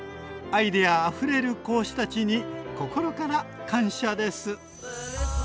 アイデアあふれる講師たちに心から感謝です。